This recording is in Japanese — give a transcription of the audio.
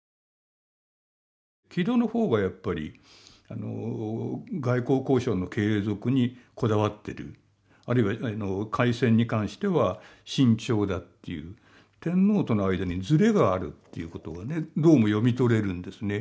木戸の方がやっぱり外交交渉の継続にこだわってるあるいは開戦に関しては慎重だっていう天皇との間にずれがあるっていうことがねどうも読み取れるんですね。